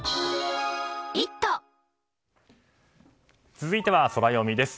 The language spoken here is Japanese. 続いてはソラよみです。